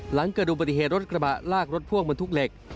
หลังเกิดอุบัติเหตุรถกระบะลากรถพ่วงบรรทุกเหล็ก